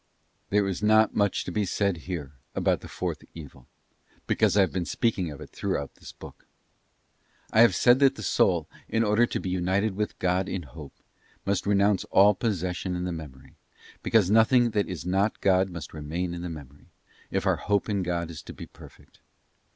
THERE is not much to be said here about the fourth evil, because I have been speaking of it throughout this book: I have said that the soul, in order to be united with God in Hope, must renounce all possession in the Memory; because nothing that is not God must remain in the memory, if our hope in God is to be perfect.